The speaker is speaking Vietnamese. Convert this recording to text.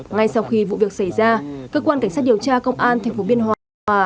ngay sau khi vụ việc xảy ra cơ quan cảnh sát điều tra công an thành phố biên hòa